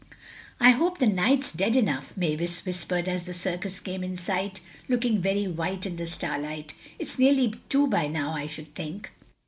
"I hope the night's dead enough," Mavis whispered as the circus came in sight, looking very white in the starlight, "it's nearly two by now I should think."